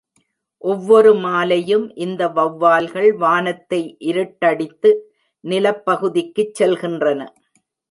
ஒவ்வொரு மாலையும், இந்த வெளவால்கள் வானத்தை இருட்டடித்து, நிலப்பகுதிக்குச் செல்கின்றன.